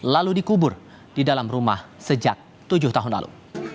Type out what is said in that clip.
lalu dikubur di dalam rumah sejak tujuh tahun lalu